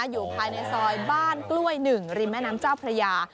อยู่ภายในซอยบ้านกล้วย๑ริมแม่น้ำเจ้าพระยา